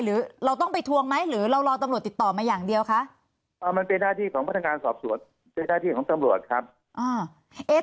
หรือเราต้องไปทวงไหมหรือเรารอตำรวจติดต่อมาอย่างเดียวคะมันเป็นหน้าที่ของพนักงานสอบสวนเป็นหน้าที่ของตำรวจครับ